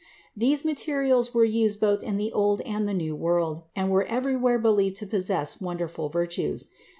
These minerals were used both in the Old and the New World, and were everywhere believed to possess wonderful virtues.